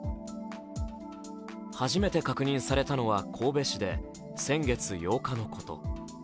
初めて確認されたのは神戸市で先月８日のこと。